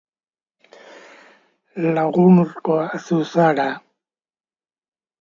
Beharrizan bat sortu dugu gure kontzientzian.